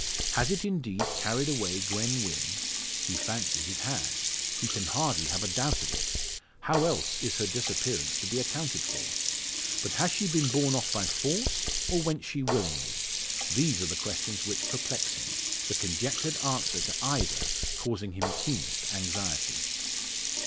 Has it indeed carried away Gwen Wynn? He fancies it has he can hardly have a doubt of it. How else is her disappearance to be accounted for? But has she been borne off by force, or went she willingly? These are the questions which perplex him; the conjectured answer to either causing him keenest anxiety.